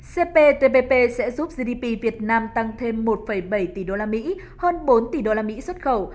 cptpp sẽ giúp gdp việt nam tăng thêm một bảy tỷ usd hơn bốn tỷ usd xuất khẩu